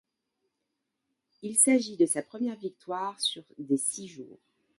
Il s'agit de sa première victoire sur des Six jours.